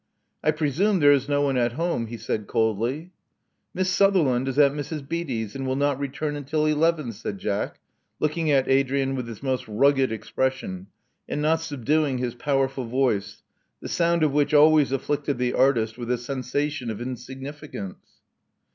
I presume there is no one at home," he said coldly. Miss Sutherland is at Mrs. Beatty's, and will not return until eleven," said Jack, looking at Adrian with his most rugged expression, and not subduing his powerful voice, the sound of which always afflicted the artist with a sensation of insignificance.